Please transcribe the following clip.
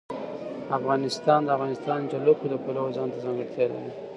افغانستان د د افغانستان جلکو د پلوه ځانته ځانګړتیا لري.